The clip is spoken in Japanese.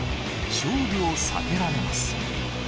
勝負を避けられます。